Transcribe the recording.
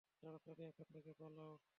তাড়াতাড়ি এখান থেকে পালাও!